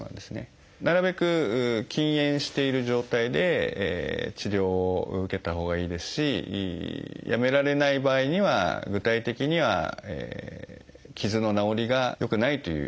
なるべく禁煙している状態で治療を受けたほうがいいですしやめられない場合には具体的には傷の治りが良くないという。